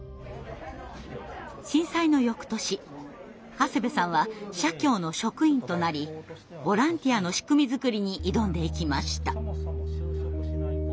震災の翌年長谷部さんは社協の職員となりボランティアの仕組み作りに挑んでいきました。